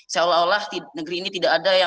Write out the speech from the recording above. seolah olah negeri ini tidak ada yang